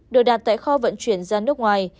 được đặt tại kho vận chuyển ra nước ngoài